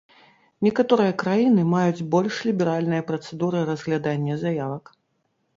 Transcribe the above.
Некаторыя краіны маюць больш ліберальныя працэдуры разглядання заявак.